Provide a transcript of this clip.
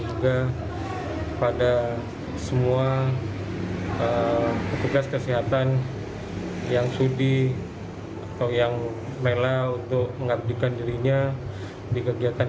juga pada semua petugas kesehatan yang sudi atau yang mela untuk mengabdikan dirinya di kegiatan